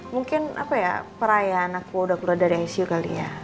mungkin perayaan aku udah keluar dari icu kali ya